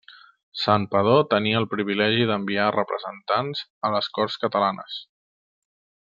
Santpedor tenia el privilegi d'enviar representants a les corts catalanes.